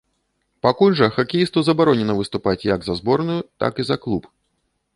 Пакуль жа хакеісту забаронена выступаць як за зборную, так і за клуб.